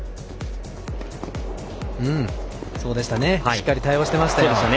しっかり対応してましたよ。